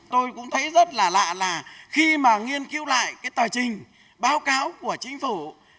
tôi cũng thấy rất là lạ là khi mà nghiên cứu lại cái tờ trình báo cáo của chính phủ